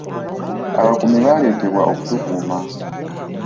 Abakuumi baaletebwa okutukuuma